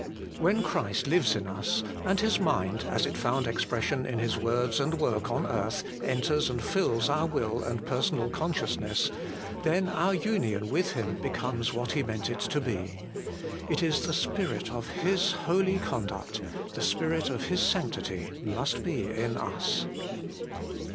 When Christ lives in us, and His mind, as it found expression in His words and work on earth, enters and fills our will and per sonal consciousness, then our union with Him becomes what He meant it to be It Is the Spirit of His holy conduct, the Spirit of His sanctity, must be in us.